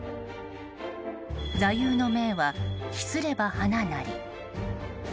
座右の銘は、秘すれば花なり。